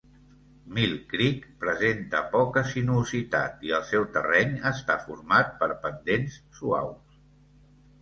Mill Creek presenta poca sinuositat i el seu terreny està format per pendents suaus.